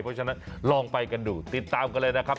เพราะฉะนั้นลองไปกันดูติดตามกันเลยนะครับ